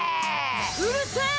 うるせー！